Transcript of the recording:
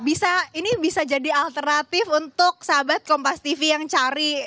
bisa ini bisa jadi alternatif untuk sahabat kompas tv yang cari